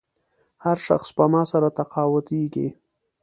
هر شخص سپما سره تقاعدېږي.